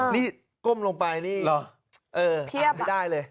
นี่ก้มลงไปนี่อ่านได้เลย